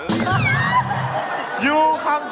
ถ้าเป็นปากถ้าเป็นปาก